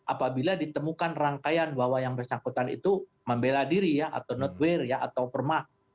apabila ditemukan rangkaian bahwa yang bersangkutan itu membela diri ya atau notewear ya atau permah